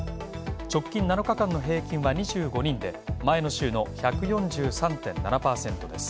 直近７日間の平均は２５人で、前の週の１４７％です。